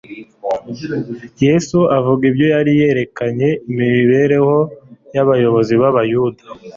Yesu avuga ibyo, yari yerekanye imibereho y'abayobozi b'abayuda.